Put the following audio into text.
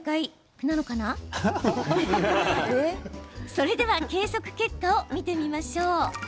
それでは計測結果を見てみましょう。